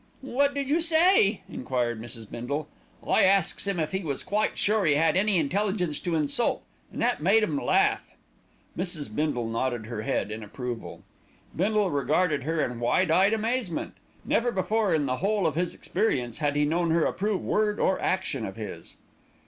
"What did you say?" enquired Mrs. Bindle. "I asks 'im if 'e was quite sure 'e 'ad any intelligence to insult, an' that made 'em laugh." Mrs. Bindle nodded her head in approval. Bindle regarded her in wide eyed amazement. Never before in the whole of his experience had he known her approve word or action of his.